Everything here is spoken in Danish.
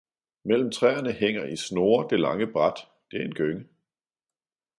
Mellem træerne hænger i snore det lange bræt, det er en gynge.